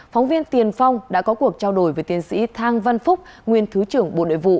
phóng viên tiền phong đã có cuộc trao đổi với tiến sĩ thang văn phúc nguyên thứ trưởng bộ nội vụ